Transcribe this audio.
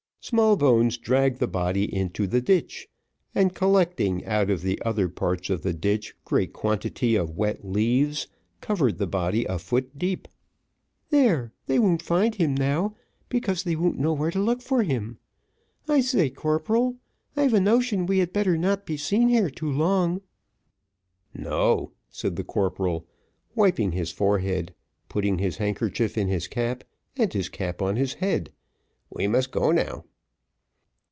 Smallbones dragged the body into the ditch, and collecting out of the other parts of the ditch a great quantity of wet leaves, covered the body a foot deep. "There, they won't find him now, because they won't know where to look for him. I say, corporal, I've a notion we had better not be seen here too long." "No," said the corporal, wiping his forehead, putting his handkerchief in his cap, and his cap on his head; "we must go now."